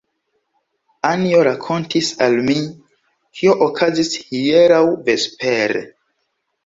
Anjo rakontis al mi, kio okazis hieraŭ vespere.